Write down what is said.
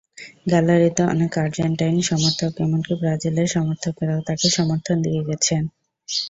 গ্যালারিতে অনেক আর্জেন্টাইন সমর্থক, এমনকি ব্রাজিলের সমর্থকেরাও, তাঁকে সমর্থন দিয়ে গেছেন।